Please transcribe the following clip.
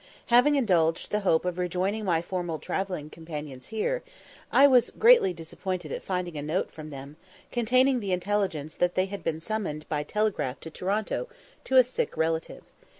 Having indulged the hope of rejoining my former travelling companions here, I was greatly disappointed at finding a note from them, containing the intelligence that they had been summoned by telegraph to Toronto, to a sick relative.